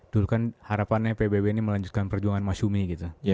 dulu kan harapannya pbb ini melanjutkan perjuangan masyumi gitu